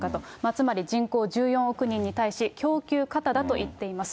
つまり人口１４億人に対し、供給過多だと言っています。